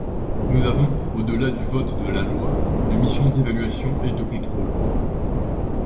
Nous avons, au-delà du vote de la loi, une mission d’évaluation et de contrôle.